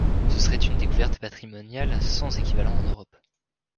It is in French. Ce serait une découverte patrimoniale sans équivalent en Europe.